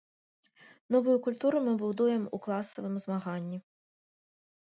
Новую культуру мы будуем у класавым змаганні.